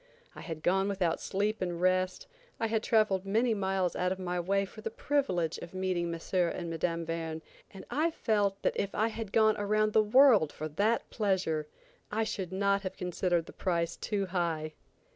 I had gone without sleep and rest; I had traveled many miles out of my way for the privilege of meeting M. and Mme. Verne, and I felt that if I had gone around the world for that pleasure, I should not have considered the price too high.